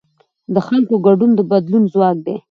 د خلکو ګډون د بدلون ځواک دی